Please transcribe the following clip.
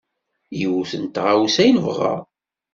Yiwet n tɣawsa i nebɣa.